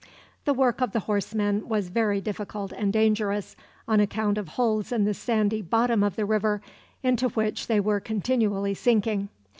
The work of the horsemen was very difficult and dangerous, on account of holes in the sandy bottom of the river, into which they were continually sinking.